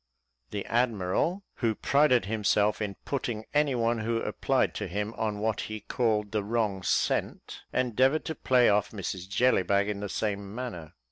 The admiral, who prided himself in putting any one who applied to him on what he called the wrong scent, endeavoured to play off Mrs Jellybag in the same manner.